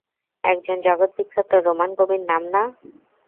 একজন জগৎবিখ্যাত রোমান কবির নাম, না?